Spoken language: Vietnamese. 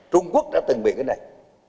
trung quốc đã từng bị cái này